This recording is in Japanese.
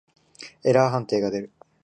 エラー判定が出る。